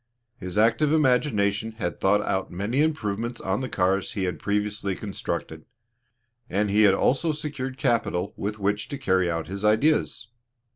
His active imagination had thought out many improvements on the cars he had previously constructed; and he had also secured capital with which to carry out his ideas.